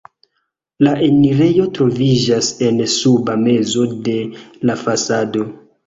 La enirejo troviĝas en suba mezo de la fasado.